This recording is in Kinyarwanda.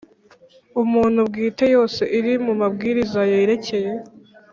umuntu bwite yose iri mu Mabwiriza yerekeye